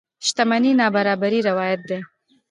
شتمنۍ نابرابرۍ روايت دي.